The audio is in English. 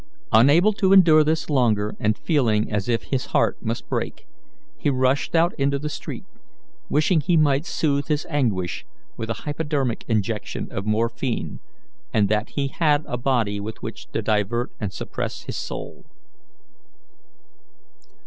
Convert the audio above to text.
Unable to endure this longer, and feeling as if his heart must break, he rushed out into the street, wishing he might soothe his anguish with a hypodermic injection of morphine, and that he had a body with which to divert and suppress his soul.